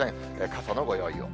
傘のご用意を。